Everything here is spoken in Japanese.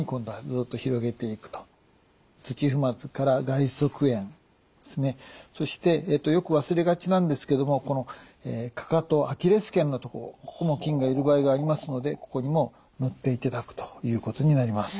そして土踏まずから外側縁ですねそしてよく忘れがちなんですけどもかかとアキレス腱のとこここも菌がいる場合がありますのでここにも塗っていただくということになります。